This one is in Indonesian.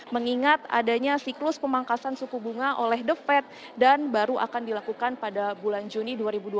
mengingat adanya siklus pemangkasan suku bunga oleh the fed dan baru akan dilakukan pada bulan juni dua ribu dua puluh